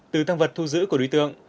từ tăng vật thu giữ của đối tượng